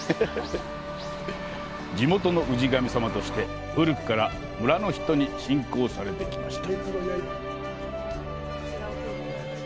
地元の氏神様として、古くから村の人に信仰されてきました。